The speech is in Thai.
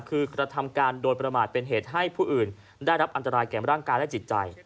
คือกระทำการโดยประมาทเป็นเหตุให้ผู้อื่นได้รับอันตรายแก่ร่างกายและจิตใจ